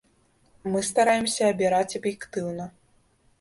Мы стараемся абіраць аб'ектыўна.